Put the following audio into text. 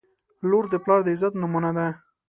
• لور د پلار د عزت نمونه ده.